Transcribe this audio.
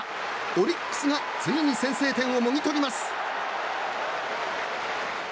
オリックスがついに先制点をもぎ取ります。